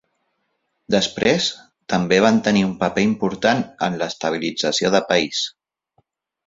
Després també van tenir un paper important en l'estabilització de país.